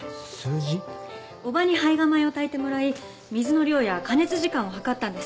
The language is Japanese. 叔母に胚芽米を炊いてもらい水の量や加熱時間をはかったんです。